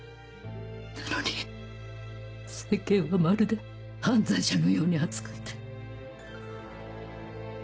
なのに世間はまるで犯罪者のように扱って。